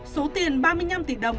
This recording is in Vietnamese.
số tiền ba mươi năm tỷ đồng